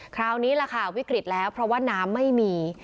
คราวนี้ล่ะค่ะวิกฤตแล้วเพราะว่าน้ำไม่มี